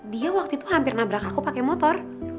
dia waktu itu hampir nabrak aku pakai motor